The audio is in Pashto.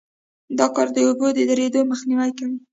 دا کار د اوبو د درېدو مخنیوی کوي